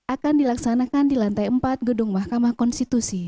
akan dilaksanakan di lantai empat gedung mahkamah konstitusi